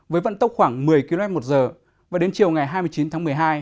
với vận tốc khoảng một mươi km một giờ và đến chiều ngày hai mươi chín tháng một mươi hai